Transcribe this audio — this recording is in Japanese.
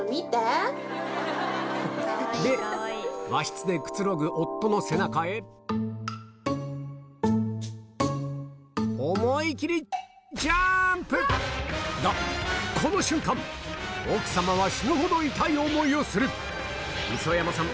和室でくつろぐがこの瞬間奥様は死ぬほど痛い思いをする磯山さん